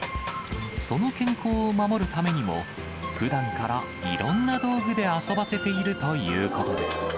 その健康を守るためにも、ふだんからいろんな道具で遊ばせているということです。